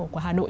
của hà nội